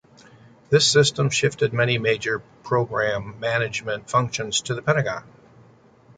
This system shifted many major program management functions to the Pentagon.